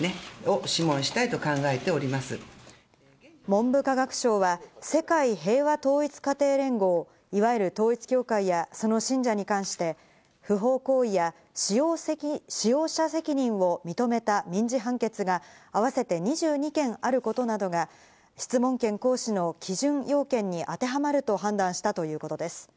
文部科学省は世界平和統一家庭連合、いわゆる統一教会やその信者に関して、不法行為や、使用者責任を認めた民事判決が合わせて２２件あることなどが質問権行使の基準要件に当てはまると判断したということです。